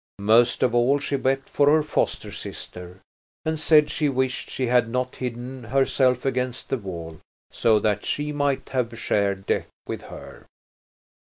Most of all she wept for her foster sister, and said she wished she had not hidden herself against the wall, so that she might have shared death with her.